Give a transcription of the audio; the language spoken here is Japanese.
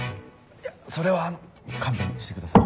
それはあの勘弁してください。